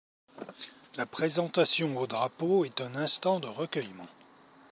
La présentation au Drapeau est un instant de recueillement.